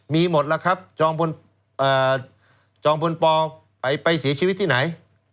มีหมดแล้วครับจองพลปไปเสียชีวิตที่ไหน